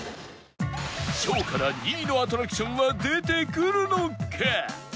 ショーから２位のアトラクションは出てくるのか？